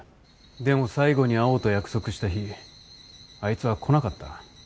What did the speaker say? でも最後に会おうと約束した日あいつは来なかった。